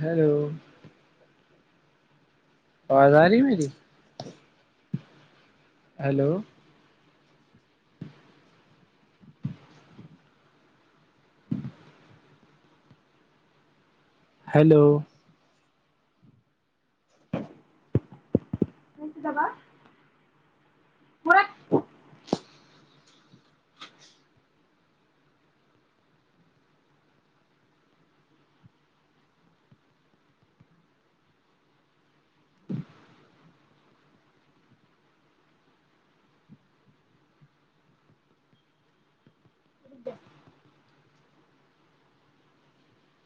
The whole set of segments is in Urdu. ہیلو آواز آ رہی ہے میری ہیلو ہیلو مسی دبا پورا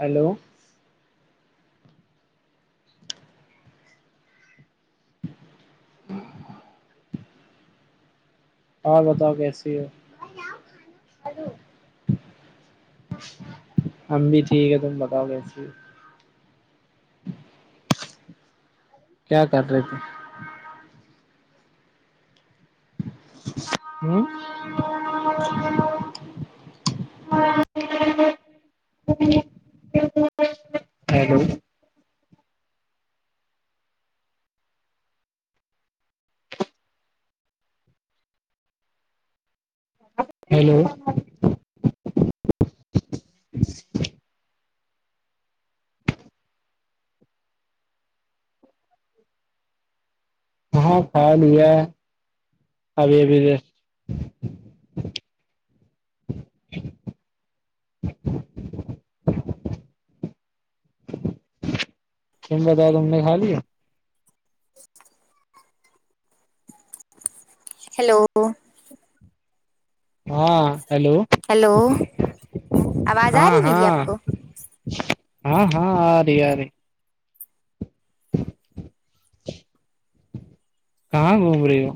ہیلو اور بتاؤ کیسی ہو ہم بھی ٹھیک ہے تم بتاؤ کیسیے کیا کر رہے تھے ھمم ہیلو ہیلو ہاں خیال ہوا ہے ابھی ابھی ف ف ف ف ف ہے کیم بتاؤ تم نے کھا لیا ہیلو ہاں ہیلو ہیلو آواز آ ہاں رہی میری ہاں آپ کو ہاں ہاں آ رہی آ رہ کہاں گھوم رہی ہو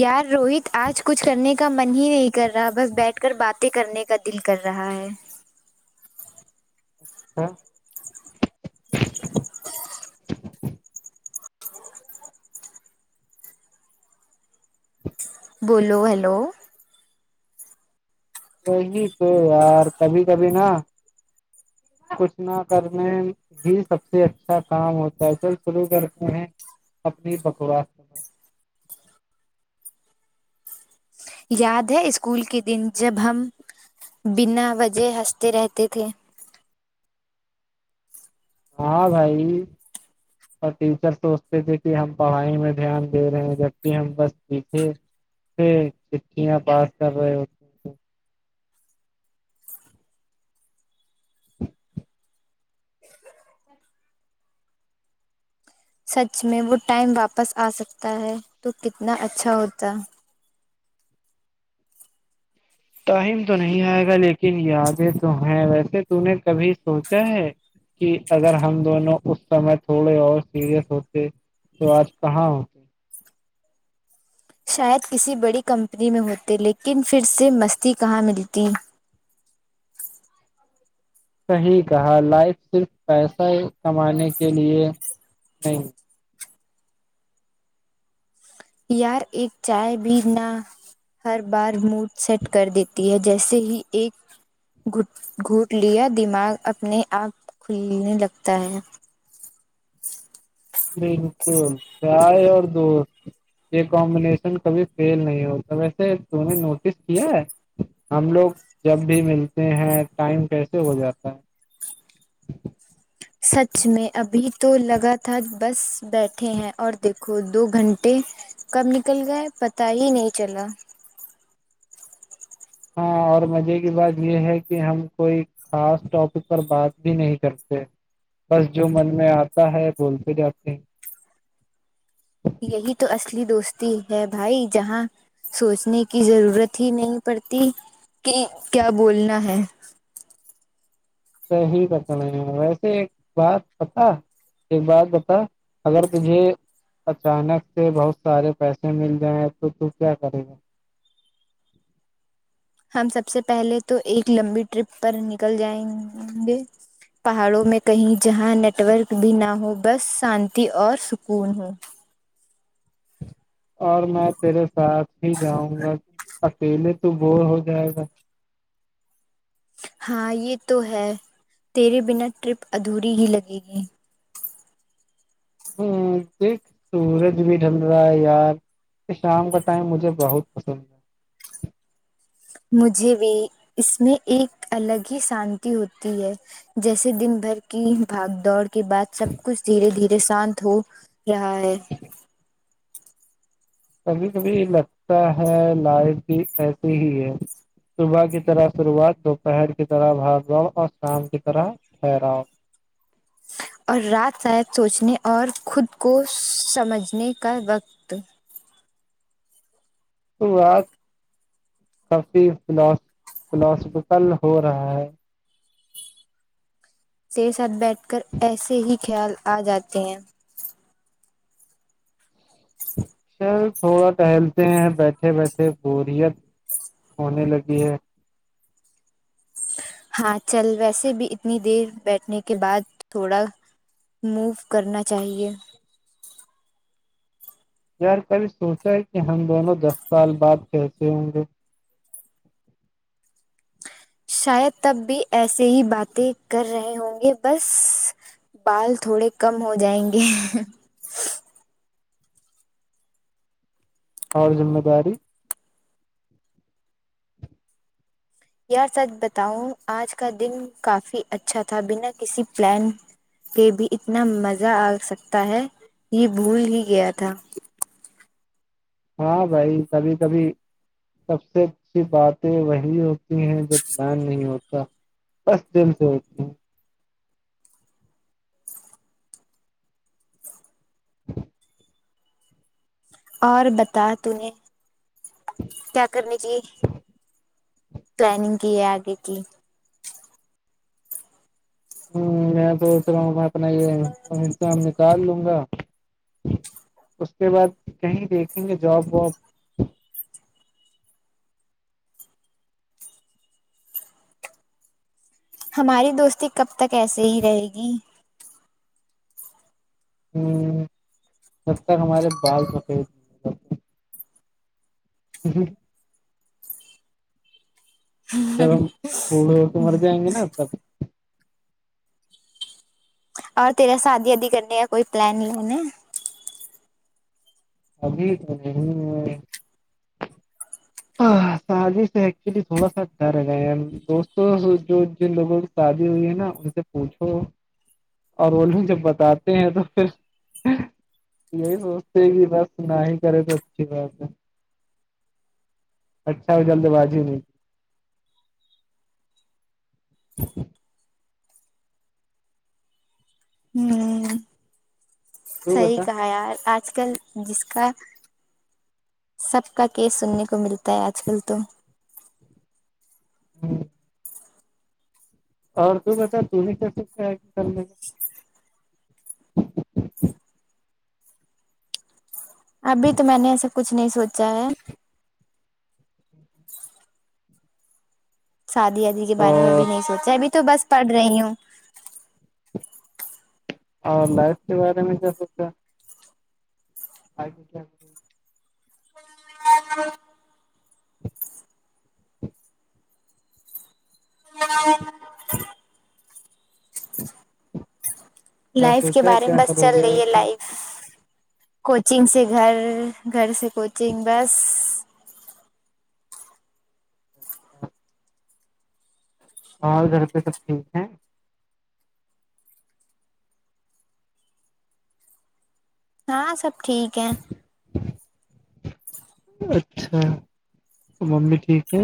یار روہت آج کچھ کرنے کا من ہی نہیں کر رہا بس بیٹھ کر باتیں کرنے کا دل کر رہا ہے ہاں بولو ہیلو وہی تو یار کبھی کبھی نہ کچھ نہ کرنے یہ سب سے اچھا کام ہوتا ہے سر شروع کرتے ہیں اپنی بکوا جبہ [unintelligible] یاد ہے اسکول کے دن جب ہم [unintelligible] بنا وجہ ہنستے رہتے تھے ہاں بھائی اور ٹیچر سوچتے تھے کہ ہم پڑھائی میں دھیان دے رہے ہیں جبکہ ہم بس سیکھے چٹیاں پاس کر رہے ہو سچ میں وہ ٹائم واپس آ سکتا ہے تو کتنا اچھا ہوتا ٹائم تو نہیں آئے گا لیکن یادیں تو ہیں ویسے تو نے کبھی سوچا ہے کہ اگر ہم دونوں اس سمے تھوڑے اور سیریس ہوتے تو آج کہاں شاید کسی بڑی کمپنی میں ہوتے لیکن پھر سے مستی کہاں ملتی صحیح کہا لائف صرف پیسہ کمانے کے لیے نہیں یار ایک چائے بھی نہ ہر بار موڈ سیٹ کر دیتی ہے جیسے ہی ایک گٹ گھوٹ لیا اپنے آپ کھلنے لگتا ہے بالکل چائے اور دوست یہ کمبینشن کبھی فیل نہیں ہوتا ویسے تم نے نوٹس کیا ہے ہم لوگ جب بھی ملتے ہیں ٹائم کیسے ہو جاتا ہے سچ میں ابھی تو لگاتار بس بیٹھے ہیں اور دیکھو دو گھنٹے کب نکل گئے پت ہی نہیں چلا ہاں اور مزے کی بات یہ ہے کہ ہم کوئی خاص ٹاپک پر بات بھی نہیں کرتے بس جو من میں آتا ہے بولتے جاتے ہیں یہی تو اصلی دوستی ہے بھائی جہاں سوچنے کی ضرورت ہی نہیں پڑتی کہ کیا بولنا ہے صح ہی رک رہے ہیں ویسے ایک بات پتا ایک بات بتا اگر تجھے اچانک سے بہت سارے پیسے مل جائیں ہیں تو تو کیا کرے گا ہم سب سے پہلے تو ایک لمبی ٹرپ پر نکل جائیں گے پہاڑوں میں کہیں جہاں نیٹورک بھی نہ ہو بس شانتی اور سکون ہو اور میں تیرے ساتھ ہی جاؤں گا اکیلے تو بور ہو جائے گا ہاں یہ تو ہے تیرے بنا ٹرپ ادھوری ہی لگے گی ہوں دیکھ سورج بھی ڈٹھل رہا ہے یار یہ شام کا ٹائم مجھے بہت پسند ہے مجھے بھی اس میں ایک الگ ہی شانتی ہوتی ہے جیسے دن بھر کی بھگ دوڑ کے بعد سب کچھ دھیرے دھیرے شانت ہو رہا ہے کبھی کبھی لگتا ہے لائف بھی ایسے ہی ہے صبح کی طرح شروعات دوپہر کی طرح بھاگواؤ اور شام کی طرح ٹھہراؤ اور رات ریت سوچنے اور خود کو سمجھنے کا وقت تو بج کافی ف فلاسفیکل ہو رہا ہے تیرے ساتھ بیٹھ کر ایسے ہی خیال آ جاتے ہیں سر تھوڑا ٹہلتے ہیں بیٹھے بیٹھے بوریت ہونے لگی ہے ہاں چل ویسے بھی اتنی دیر بیٹھنے کے بعد تھوڑا موو کرنا چاہیے یار پہلے سوچا ہے کہ ہم دونوں دس سال بعد پسے ہوں گے شاید تب بھی ایسے ہی باتیں کر رہے ہوں گے بس بال تھوڑے کم ہو جائیں گے اور ذمہ داری یار سچ بتاؤں آج کا دن کافی اچھا تھا بنا کسی پلان کہ بھی اتنا مزہ آ سکتا ہے یہ بھول ہی گیا تھا ہاں بھائی کبھی کبھی سب سے اچھی باتیں وہی ہوتی ہیں جو بلان نہیں ہوتا بس دم سے ہو ہیں اور بتا تو نے کیا کرنی چاہیے پلاننگ کی ہے آگے کی ہوں میں سوچ رہا ہوں میں اپنا یہام کال لوں گا اس کے بعد کہیں دیکھیں گے جاب وااب ہماری دوستی کب تک ایسے ہی رہے گی ہ جب تک ہمارے بال تھھکے ہو تھ جی جب ہم پڑ ہو تو مر جائیں گے نا تب اور تیرا شادی آادی کرنے کا کوئی پلان نہیں ہےا اب بھی ہ ہاں سادی سے ایکچولی تھوڑا سا ڈر گئے دوستوں جو جن لوگوں شادی ہوئی ہے نا ان سے پوچھو اور وہ لوگ جب بتاتے ہیں تو پھر یہی سوچتے کہ بس نہ ہی کرے تو اچھی بات ہے اچھا ہو جلد بازی نہیں ہ تو صحیح بتا کہا یار آج آج کل جس کا سب کا کیس سننے کو ملتا ہے آج کل تو ہ اور تو بتا ت نے کیسے کیا کرنے میں ابھی تو میں نے ایسا کچھ نہیں سوچا ہے شادی ادی کے بارے میں بھی اور نہیں سوچا ہے ابھی تو بس پڑھ رہی ہوں اور لائف کے بارے میں کیا سوچا آئی کیا اچاں لائف کے سوچا بارے میں کیا بس سب ہو چل گیا رہی ہے لائف کوچنگ سے گھر گھر سے کوچنگ بس ہاں اور گھر پہ سب ٹھیک ہیں ہاں سب ٹھیک ہے اچھا تو ممی ٹھیک ہے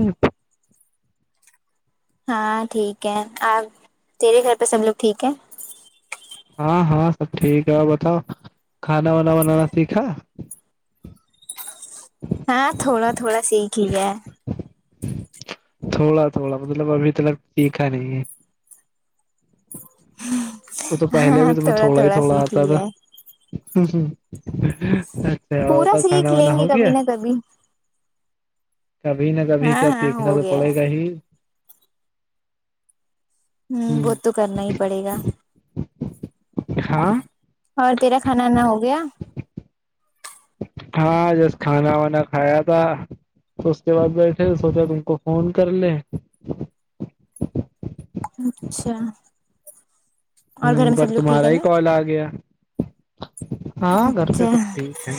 ہاں ٹھیک ہے آپ تیرے گھر پہ سب لوگ ٹھیک ہے ہاں ہاں سب ٹھیک ہے بتاؤ کھانا وانا بنانا سیکھا ہاں ہاں تھوڑا تھوڑا سیکھ لیا تھوڑا تھوڑا مطلب ابھی تول پیکھا نہیں ہے وہ تو پہلے ہاں بھی تو میں تھوڑا ہی تھوڑا سیکھ آتا تھا لیا ہے پورا تو سیکھ کھانا لیں وانا ہو گے کبھی گیا نہ کبھی کبھی نہ کبھی ہاں کیا ہاں سیکھنا ہو تو گیا ہے پڑے گا ہی ہوں وہ ہ تو کرنا ہی پڑے گا ہاں اور تیرا کھانا نہ ہو گیا ہاں جس کھانا وانا کھایا تھا تو اس کے بعد بیٹھے سوچا تم کو فون کر لے اچھا ہ اور گھر میں پر سب لوگ ٹھیک تمہارا ہے ہی نا کال آ گیا ہاں گھر پہ اچھا سب ٹھیک ہے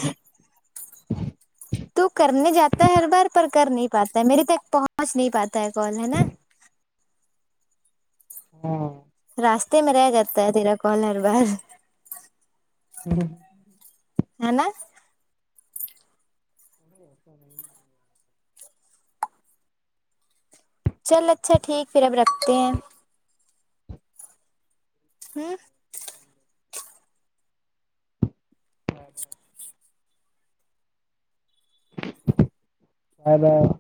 تو کرنے جاتا ہے ہر بار پر کر نہیں پاتا ہے میرے تک پہنچ سمج نہیں پاتا ہے کال ہے نا ہاں راستے میں رہ جاتا ہے تیرا کون ہر بار ہوں ہے نا ایسا نہیں چل اچھا ٹھیک پھر اب رکھتے ہیں ہی ادا